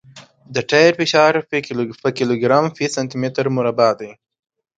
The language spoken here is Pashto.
د ټیر فشار په کیلوګرام فی سانتي متر مربع دی